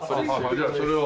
じゃあそれを。